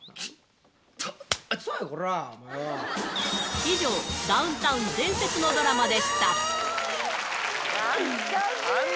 以上、ダウンタウン伝説のド懐かしいな。